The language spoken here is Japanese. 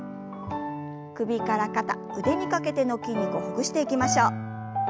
首から肩腕にかけての筋肉をほぐしていきましょう。